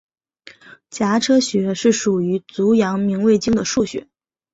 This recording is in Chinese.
颊车穴是属于足阳明胃经的腧穴。